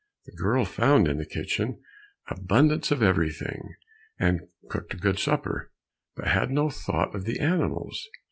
The girl found in the kitchen abundance of everything, and cooked a good supper, but had no thought of the animals.